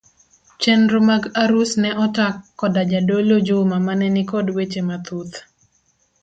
Chenro mag arus ne ota koda jadolo Juma mane ni kod weche mathoth.